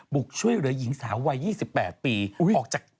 ช่วยเหลือหญิงสาววัย๒๘ปีออกจาก